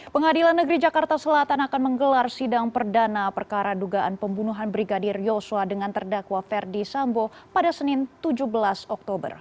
pengadilan negeri jakarta selatan akan menggelar sidang perdana perkara dugaan pembunuhan brigadir yosua dengan terdakwa ferdi sambo pada senin tujuh belas oktober